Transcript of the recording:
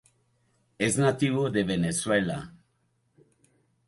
Es nativo de Venezuela.